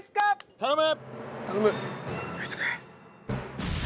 頼む。